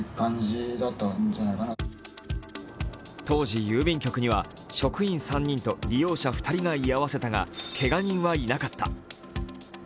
当時、郵便局には職員３人と利用者２人が居合わせたが、けが人はいなかった。